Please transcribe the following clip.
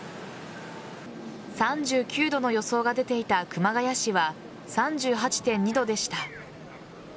３９度の予想が出ていた熊谷市は３８．２度でした。